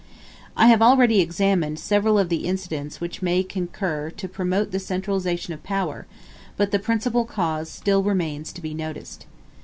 I have already examined several of the incidents which may concur to promote the centralization of power, but the principal cause still remains to be noticed.